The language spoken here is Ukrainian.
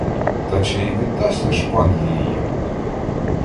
Та чи і віддасть лиш пан її йому?